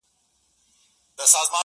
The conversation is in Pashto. ژړا مي وژني د ژړا اوبـو تـه اور اچـوي _